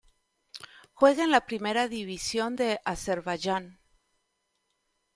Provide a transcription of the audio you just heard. Juega en la Primera División de Azerbaiyán.